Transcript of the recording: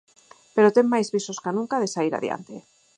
Pero ten máis visos ca nunca de saír adiante.